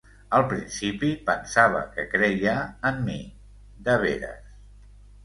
Al principi pensava que creia en mi, de veres.